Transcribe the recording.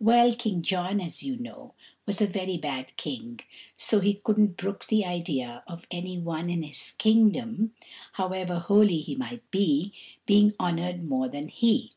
Well, King John, as you know, was a very bad king, and he couldn't brook the idea of any one in his kingdom, however holy he might be, being honoured more than he.